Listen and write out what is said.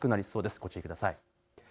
ご注意ください。